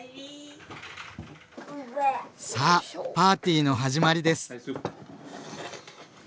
さあパーティーの始まりです！